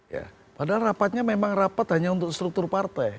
ya padahal rapatnya memang rapat hanya untuk struktur partai